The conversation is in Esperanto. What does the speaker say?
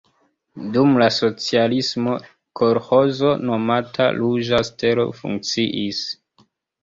Dum la socialismo kolĥozo nomata Ruĝa Stelo funkciis.